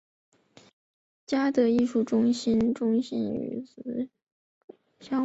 嘉德艺术中心西北与中国美术馆隔五四大街相望。